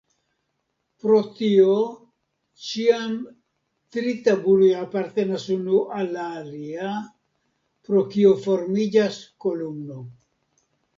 Pro tio ĉiam tri tabuloj apartenas unu al la alia, pro kio formiĝas kolumno.